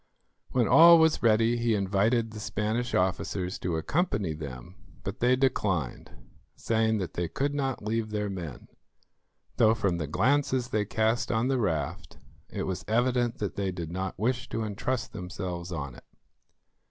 When all was ready, he invited the Spanish officers to accompany them, but they declined, saying that they could not leave their men, though from the glances they cast on the raft, it was evident that they did not wish to entrust themselves on it.